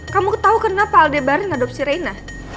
kamu tahu kenapa aldebaran mengadopsi rena